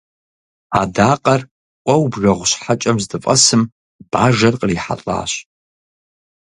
Адакъэр ӏуэуэ бжэгъу щхьэкӏэм здыфӏэсым, бажэр кърихьэлӏащ.